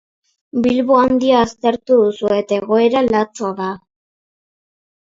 Bilbo Handia aztertu duzu eta egoera latza da.